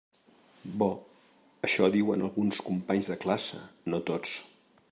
Bo, això diuen alguns companys de classe, no tots.